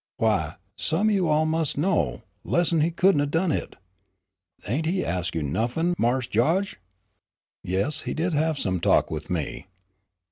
"Why, some o' you all mus' know, lessn' he couldn' 'a' done hit. Ain' he ax you nuffin', Marse Gawge?" "Yes, he did have some talk with me."